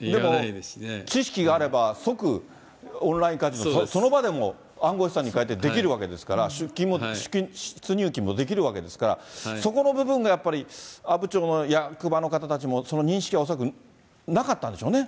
でも知識があれば、即オンラインカジノ、その場でも暗号資産にかえてできるわけですから、出金も、出入金もできるわけですから、そこの部分がやっぱり、阿武町の役場の方たちもその認識は恐らくなかったんでしょうね。